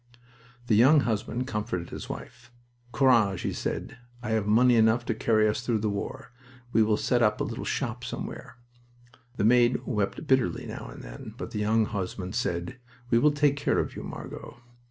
The young husband comforted his wife. "Courage!" he said. "I have money enough to carry us through the war. We will set up a little shop somewhere." The maid wept bitterly now and then, but the young husband said: "We will take care of you, Margot.